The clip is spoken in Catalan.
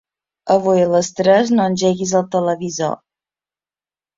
Avui a les tres no engeguis el televisor.